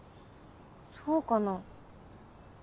そうかな？